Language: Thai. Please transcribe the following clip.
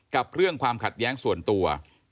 กับเรื่องความขัดแย้งส่วนตัว